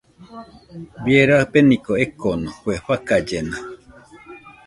Bie rabeniko ekoko, kue fakallena